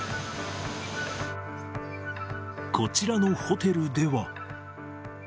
こちらのホテルでは。